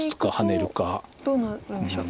どうなるんでしょう？